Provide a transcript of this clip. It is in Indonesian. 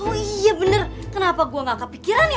oh iya bener kenapa gue gak angka pikiran ya